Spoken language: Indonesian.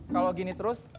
kalau gini terus